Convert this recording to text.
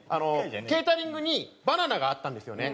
ケータリングにバナナがあったんですよね。